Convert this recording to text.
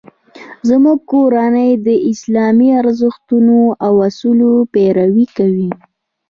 زموږ کورنۍ د اسلامي ارزښتونو او اصولو پیروي کوي